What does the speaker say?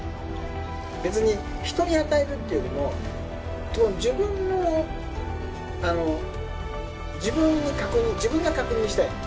別に人に与えるっていうよりも、自分の、自分に、自分が確認したいの。